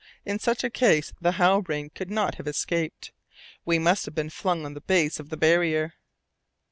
In such a case the Halbrane could not have escaped; we must have been flung on the base of the barrier.